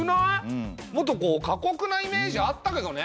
もっとこうかこくなイメージあったけどね！